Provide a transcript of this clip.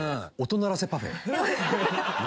音鳴らせパフェ。